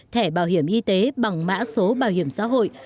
thẻ bảo hiểm y tế bằng mã số bảo hiểm xã hội